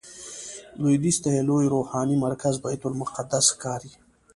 لویدیځ ته یې لوی روحاني مرکز بیت المقدس ښکاري.